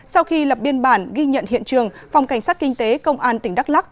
sau khi lập biên bản ghi nhận hiện trường phòng cảnh sát kinh tế công an tỉnh đắk lắc